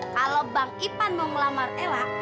kalau bang ipan mau ngelamar ella